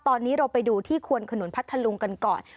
ตอนนี้เราไปดูที่ควนขนุนพัทธลุงกันก่อน